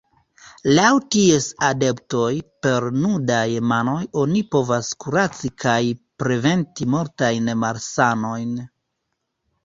Laŭ ties adeptoj, per nudaj manoj oni povas kuraci kaj preventi multajn malsanojn.